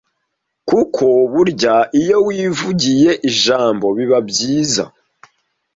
kuko burya iyo wivugiye ijambo biba byiza